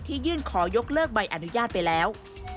ยื่นขอยกเลิกใบอนุญาตไปแล้ว